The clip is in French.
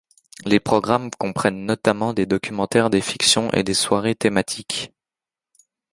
Les programmes comprennent notamment des documentaires, des fictions et des soirées thématiques.